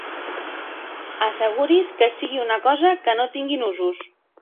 Asseguri's que sigui una cosa que no tingui nusos.